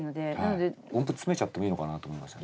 音符詰めちゃってもいいのかなと思いました。